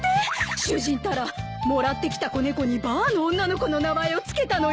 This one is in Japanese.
主人ったらもらってきた子猫にバーの女の子の名前をつけたのよ。